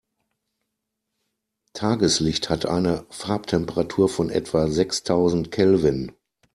Tageslicht hat eine Farbtemperatur von etwa sechstausend Kelvin.